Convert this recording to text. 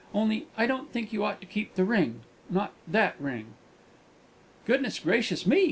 Only, I don't think you ought to keep the ring not that ring!" "Goodness gracious me!"